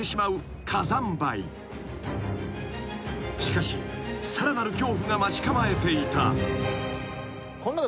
［しかしさらなる恐怖が待ち構えていた］